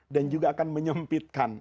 dan juga akan menyempitkan